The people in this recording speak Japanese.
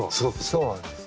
そうなんです。